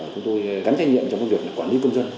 chúng tôi gắn trách nhiệm trong công việc quản lý công dân